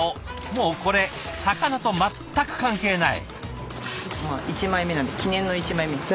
もうこれ魚と全く関係ない。